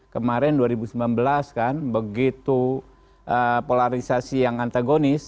kemarin dua ribu sembilan belas kan begitu polarisasi yang antagonis